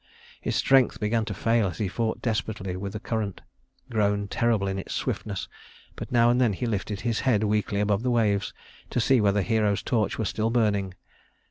His strength began to fail as he fought desperately with the current, grown terrible in its swiftness, but now and then he lifted his head weakly above the waves to see whether Hero's torch was still burning.